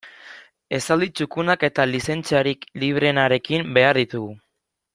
Esaldi txukunak eta lizentziarik libreenarekin behar ditugu.